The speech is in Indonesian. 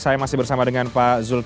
saya masih bersama dengan pak zulkif